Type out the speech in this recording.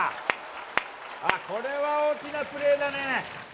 これは大きなプレーだね。